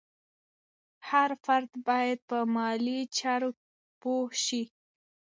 هر فرد باید په مالي چارو پوه شي.